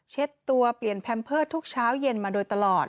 ตัวเปลี่ยนแพมเพิร์ตทุกเช้าเย็นมาโดยตลอด